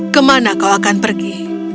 kemana kau akan pergi